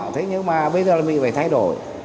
thế nhưng mà bây giờ là mình phải thay đổi